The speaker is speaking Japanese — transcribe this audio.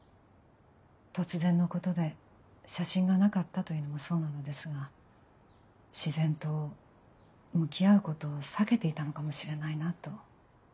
突然のことで写真がなかったというのもそうなのですが自然と向き合うことを避けていたのかもしれないなと。